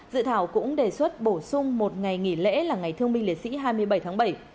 dự thảo cũng đề xuất bổ sung một ngày nghỉ lễ là ngày thương binh liệt sĩ hai mươi bảy tháng bảy